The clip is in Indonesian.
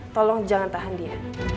tolong jangan tahan dia